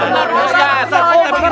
masalah kita pak ustadz